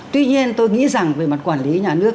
tuy nhiên tôi nghĩ rằng về mặt quản lý nhà nước